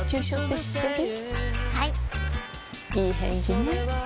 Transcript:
いい返事ね